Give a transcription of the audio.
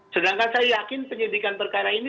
sedangkan saya yakin penyidikan perkara ini